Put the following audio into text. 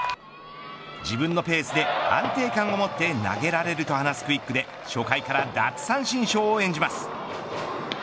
自分のペースで安定感を持って投げられると話すクイックで初回から奪三振ショーを演じます。